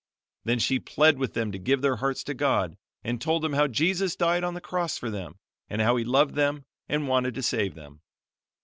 Then she pled with them to give their hearts to God, and told them how Jesus died on the cross for them, and how He loved them and wanted to save them.